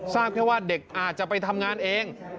ทราบแค่ว่าเด็กอาจจะไปทำงานเอง